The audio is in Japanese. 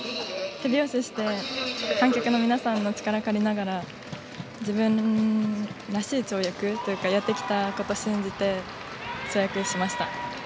手拍子して観客の皆さんの力を借りながら自分らしい跳躍というかやってきたことを信じて跳躍しました。